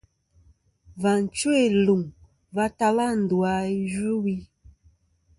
Và chwo iluŋ va tala ndu a yvɨwi.